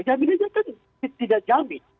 jaminannya kan tidak jamin